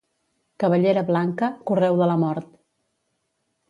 Cabellera blanca, correu de la mort.